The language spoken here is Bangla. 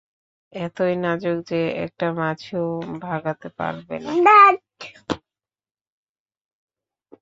এতই নাজুক যে একটা মাছিও ভাগাতে পারবে না।